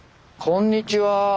こんにちは。